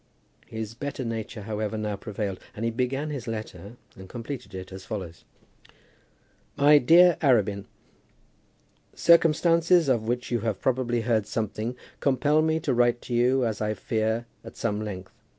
His better nature, however, now prevailed, and he began his letter, and completed it as follows: MY DEAR ARABIN, Circumstances, of which you have probably heard something, compel me to write to you, as I fear, at some length.